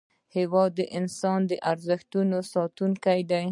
هېواد د انساني ارزښتونو ساتونکی دی.